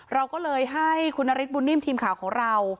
เราก็เลยให้คุณนฤทธบุญนิ่มทีมข่าวของเรา